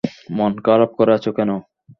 মন খারাপ করে আছো কেন?